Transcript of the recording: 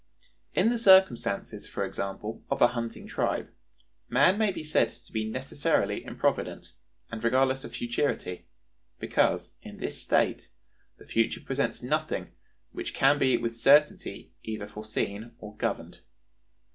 In the circumstances, for example, of a hunting tribe, "man may be said to be necessarily improvident, and regardless of futurity, because, in this state, the future presents nothing which can be with certainty either foreseen or governed....